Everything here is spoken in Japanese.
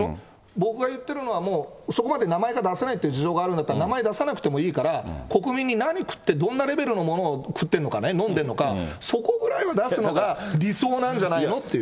僕が言ってるのは、もう、そこまで名前が出せないっていう事情があるんだったら、名前出さなくていいから、国民に何食って、どんなレベルのものを食ってるのか、飲んでんのか、そこぐらいは出すのが、理想なんじゃないのっていう。